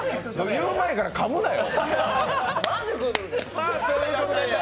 言う前からかむなよ！